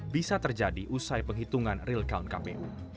bisa terjadi usai penghitungan real count kpu